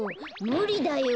むりだよ。